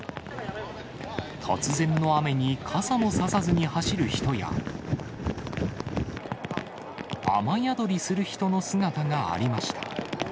突然の雨に傘も差さずに走る人や、雨宿りする人の姿がありました。